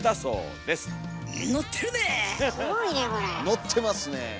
のってますねえ。